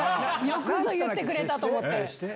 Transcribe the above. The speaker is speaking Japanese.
よくぞ言ってくれたと思って。